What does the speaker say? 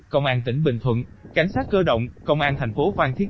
công an tỉnh bình thuận cảnh sát cơ động công an thành phố phan thiết